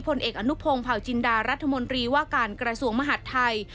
ผลเอกอนุพงศ์เผาจินดารัฐมนตรีว่าการกระทรวงมหาดไทย